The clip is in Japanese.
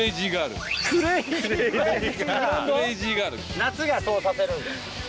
夏がそうさせるんだ。